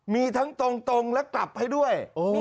มีทั้งตรงและกลับให้ด้วย